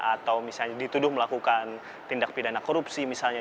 atau misalnya dituduh melakukan tindak pidana korupsi misalnya